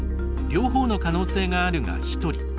「両方の可能性がある」が１人。